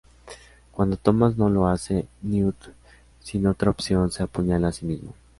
Cuando Thomas no lo hace, Newt -sin otra opción- se apuñala a sí mismo.